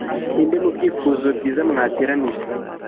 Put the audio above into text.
ninde, mubyifuzo byiza, mwateranije